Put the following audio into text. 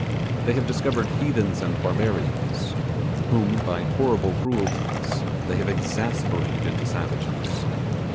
They have discovered heathens and barbarians whom by horrible cruelties they have exasperated into savages.